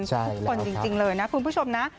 ทุกคนจริงเลยนะคุณผู้ชมนะ